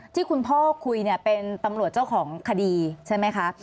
ที่คุณพ่อคุยเนี่ยเป็นตำรวจเจ้าของคดีใช่ไหมคะ